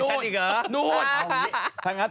อยู่บ้างกันช่ายนิกันเธอ